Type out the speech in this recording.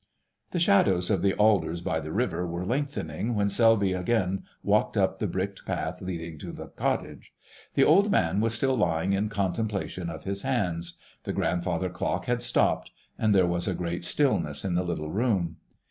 The shadows of the alders by the river were lengthening when Selby again walked up the bricked path leading to the cottage. The old man was still lying in contemplation of his hands: the grandfather clock had stopped, and there was a great stillness in the little room.